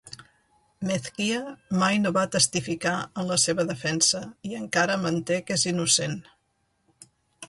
Mezquia mai no va testificar en la seva defensa i encara manté que és innocent.